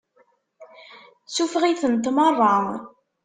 Suffeɣ-itent meṛṛa.